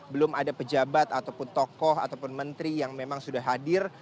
belum ada pejabat ataupun tokoh ataupun menteri yang memang sudah hadir